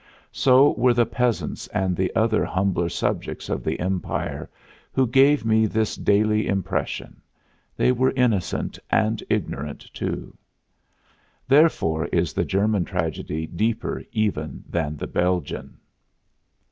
So were the peasants and the other humbler subjects of the Empire who gave me this daily impression; they were innocent and ignorant too. Therefore is the German tragedy deeper even than the Belgian.